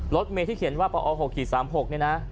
รถเมที่เขียนว่าปอ๖๓๖นี่นะ